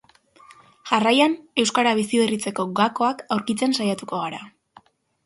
Jarraian, euskara biziberritzeko gakoak aurkitzen saiatuko gara.